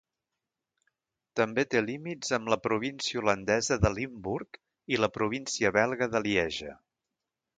També té límits amb la província holandesa de Limburg i la província belga de Lieja.